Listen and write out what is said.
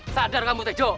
sadar kamu tejo